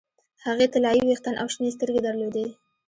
هغې طلايي ویښتان او شنې سترګې درلودې